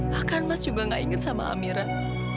bahkan mas juga nggak ingat sama amiran